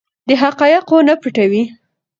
دی حقایق نه پټوي.